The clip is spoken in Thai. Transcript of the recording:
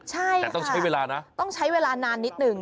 ใช่แต่ต้องใช้เวลานะต้องใช้เวลานานนิดนึง